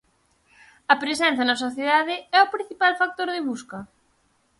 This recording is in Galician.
A presenza na sociedade é o principal factor de busca?